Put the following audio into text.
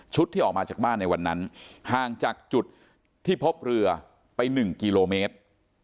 ที่ออกมาจากบ้านในวันนั้นห่างจากจุดที่พบเรือไป๑กิโลเมตร